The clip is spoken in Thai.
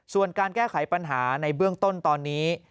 ส่วนการแก้ไขปัญหาในเบื้องต้นตอนนี้